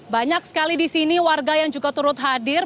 banyak sekali di sini warga yang juga turut hadir